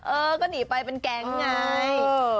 เออก็หนีไปเป็นแก๊งไง